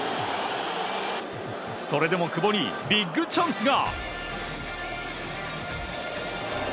それでも久保にビッグチャンスが。